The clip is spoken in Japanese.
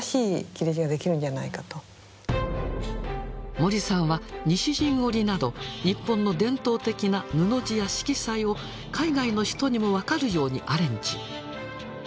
森さんは西陣織など日本の伝統的な布地や色彩を海外の人にも分かるようにアレンジ。